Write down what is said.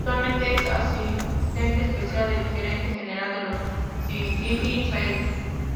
Actualmente es asistente especial del gerente general de los Cincinnati Reds.